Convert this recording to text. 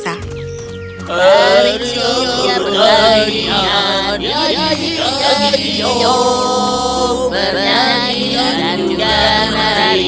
selamat pergi ke narik tanaman